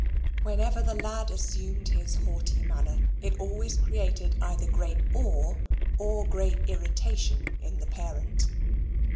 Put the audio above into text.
Whenever the lad assumed his haughty manner, it always created either great awe or great irritation in the parent.